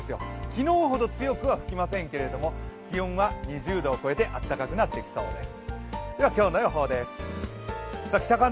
昨日ほど強くは吹きませんが気温は２０度を超えて暖かくなってきそうです。